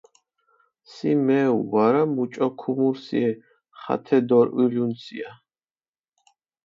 სი მეუ ვარა, მუჭო ქუმურსიე, ხათე დორჸვილუნსია.